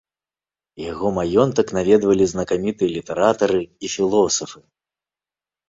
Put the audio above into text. Яго маёнтак наведвалі знакамітыя літаратары і філосафы.